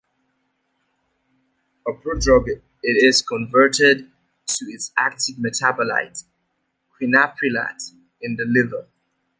A prodrug, it is converted to its active metabolite, quinaprilat, in the liver.